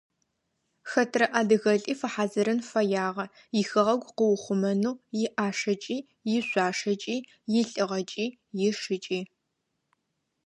Хэтрэ адыгэлӀи фэхьазырын фэягъэ ихэгъэгу къыухъумэнэу иӀашэкӀи, ишъуашэкӀи, илӀыгъэкӀи, ишыкӀи.